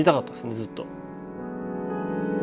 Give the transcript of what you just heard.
ずっと。